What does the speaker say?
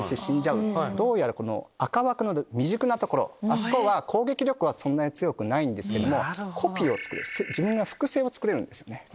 どうやら赤枠の未熟な所は攻撃力はそんなに強くないんですけどコピーを作れる自分が複製を作れるんですね。